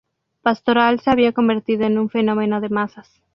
Pastoral se había convertido en un fenómeno de masas.